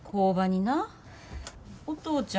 なあお父ちゃん！